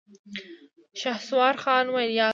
شهسوار خان وويل: ياالله.